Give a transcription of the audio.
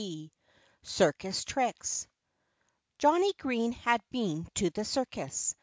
IX CIRCUS TRICKS Johnnie Green had been to the circus.